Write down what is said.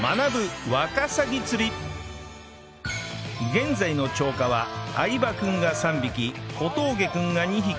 現在の釣果は相葉君が３匹小峠君が２匹